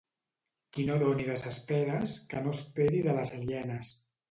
Qui no doni de ses peres, que no esperi de les alienes.